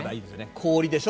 氷でしょ？